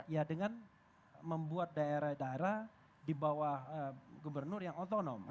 ya dengan membuat daerah daerah di bawah gubernur yang otonom